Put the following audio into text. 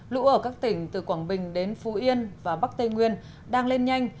lũ ở các tỉnh từ quảng bình đến phú yên và bắc tây nguyên đang lên nhanh